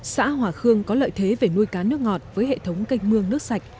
xã hòa khương có lợi thế về nuôi cá nước ngọt với hệ thống canh mương nước sạch